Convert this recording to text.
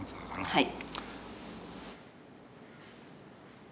はい。